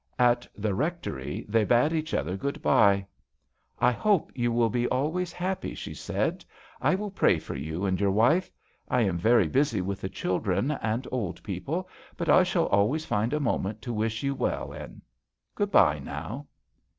At the ^ectory they bade each other t'ood bye, " I hope you will be always appy," she said. "I will pray f>r you and your wife. I am tery busy with the children jnd old people, but I shall Iways find a moment to wish ou well in. Good bye now."